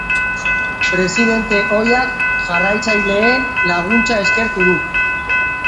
Presidente ohiak jarraitzaileen laguntza eskertu du.